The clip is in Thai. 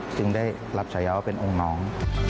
จึงได้รับแชร์ว่าเป็นองค์น้อง